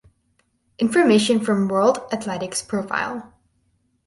Information from World Athletics profile.